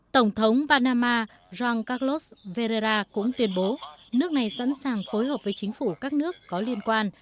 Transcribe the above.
tổng thống panama juan carlos herrera cũng tuyên bố nước này sẵn sàng phối hợp với chính phủ các nước có liên quan